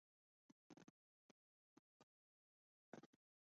Demà na Dolça i en Rauric volen anar a la platja.